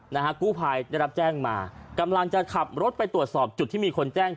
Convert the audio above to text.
นะฮะกู้ภัยได้รับแจ้งมากำลังจะขับรถไปตรวจสอบจุดที่มีคนแจ้ง